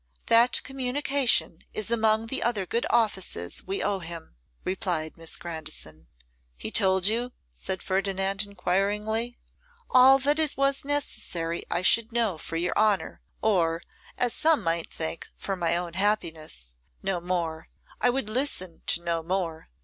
'That communication is among the other good offices we owe him,' replied Miss Grandison. 'He told you?' said Ferdinand enquiringly. 'All that it was necessary I should know for your honour, or, as some might think, for my own happiness; no more, I would listen to no more.